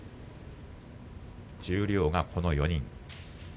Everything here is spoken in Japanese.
十両がこの４人です。